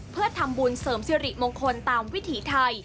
เพื่อทำบุญเสริมสิริมงคลตามวิถีไทย